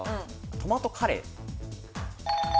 トマトカレー。